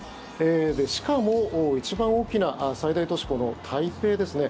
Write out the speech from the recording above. しかも一番大きな最大都市・台北ですね。